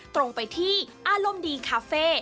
ตรงไปที่อารมณ์ดีคาเฟ่